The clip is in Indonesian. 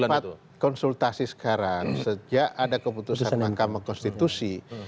sempat konsultasi sekarang sejak ada keputusan mahkamah konstitusi